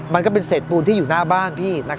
มันก็เป็นเศษปูนที่อยู่หน้าบ้านพี่